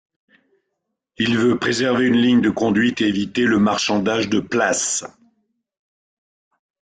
Il veut préserver une ligne de conduite et éviter le marchandage de places.